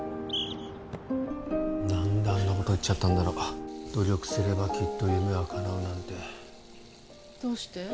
何であんなこと言っちゃったんだろ努力すればきっと夢はかなうなんてどうして？